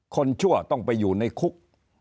ชั่วต้องไปอยู่ในคุก